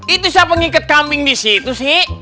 itu siapa pengikat kambing di situ sih